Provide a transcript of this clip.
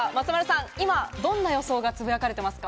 今どんな予想がつぶやかれていますか？